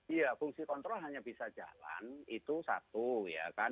iya fungsi kontrol hanya bisa jalan itu satu ya kan